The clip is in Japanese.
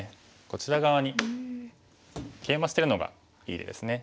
こちら側にケイマしてるのがいいですね。